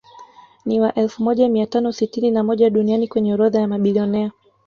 Ni wa elfu moja mia tano sitini na moja duniani kwenye orodha ya mabilionea